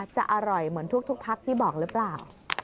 จะอร่อยเหมือนทุกพักที่บอกหรือเปล่า